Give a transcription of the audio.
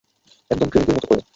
একদম ট্রিনিটির মতো করে।